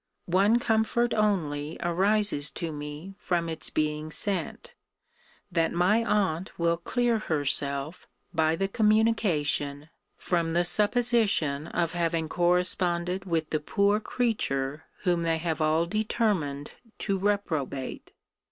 One comfort only arises to me from its being sent; that my aunt will clear herself, by the communication, from the supposition of having corresponded with the poor creature whom they have all determine to reprobate.